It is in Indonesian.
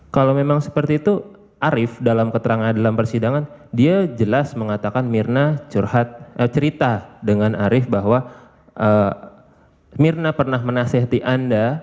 kalau memang seperti itu arief dalam keterangan dalam persidangan dia jelas mengatakan mirna curhat cerita dengan arief bahwa mirna pernah menasehati anda